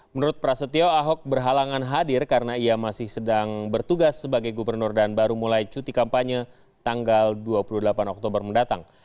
menurut prasetyo ahok berhalangan hadir karena ia masih sedang bertugas sebagai gubernur dan baru mulai cuti kampanye tanggal dua puluh delapan oktober mendatang